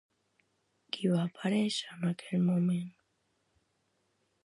Qui va aparèixer en aquell moment?